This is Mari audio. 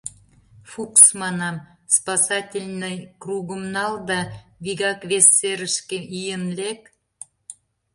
— Фукс, — манам, — спасательный кругым нал да вигак вес серышке ийын лек.